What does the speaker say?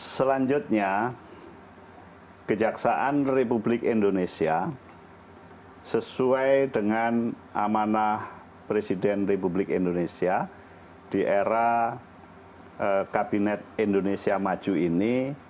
selanjutnya kejaksaan republik indonesia sesuai dengan amanah presiden republik indonesia di era kabinet indonesia maju ini